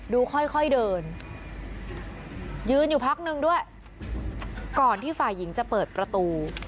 ค่อยค่อยเดินยืนอยู่พักนึงด้วยก่อนที่ฝ่ายหญิงจะเปิดประตู